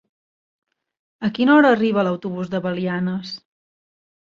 A quina hora arriba l'autobús de Belianes?